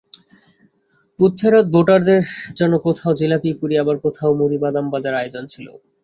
বুথফেরত ভোটারদের জন্য কোথাও জিলাপি, পুরি, আবার কোথাও মুড়ি, বাদামভাজার আয়োজন ছিল।